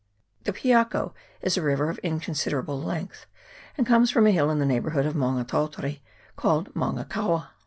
The Piako is a river of inconsiderable length, and comes from a hill in the neighbourhood of Maunga Tautari, called Maunga Kaua.